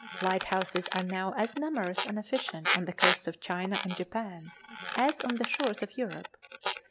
Lighthouses are now as numerous and efficient on the coasts of China and Japan as on the shores of Europe.